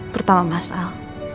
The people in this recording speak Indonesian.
pertama mas al